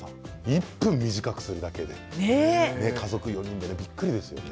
１分短くするだけで家族４人でびっくりですね。